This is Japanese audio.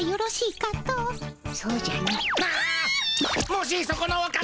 もしそこのお方。